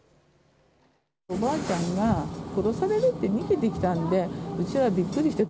おばあちゃんが、殺されるって逃げてきたんで、うちはびっくりして。